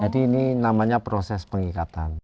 jadi ini namanya proses pengikatan